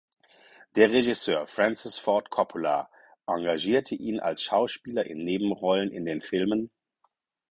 Der Regisseur Francis Ford Coppola engagierte ihn als Schauspieler in Nebenrollen in den Filmen